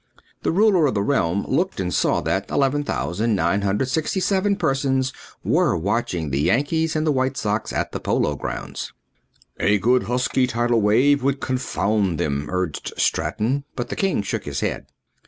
The ruler of the realm looked and saw that 11,967 persons were watching the Yankees and the White Sox at the Polo Grounds. "A good husky tidal wave would confound them," urged Straton, but the king shook his head.